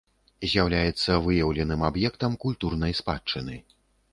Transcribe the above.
З'яўляецца выяўленым аб'ектам культурнай спадчыны.